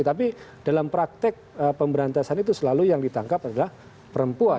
tapi dalam praktek pemberantasan itu selalu yang ditangkap adalah perempuan